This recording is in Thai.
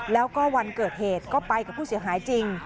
แล้วก็วันเกิดเหตุก็ไปกับผู้เสียหายจริง